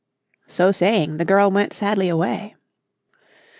So saying the girl went sadly away.